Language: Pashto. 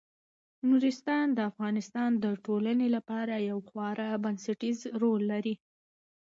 نورستان د افغانستان د ټولنې لپاره یو خورا بنسټيز رول لري.